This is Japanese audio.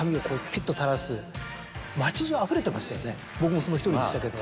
僕もその１人でしたけど。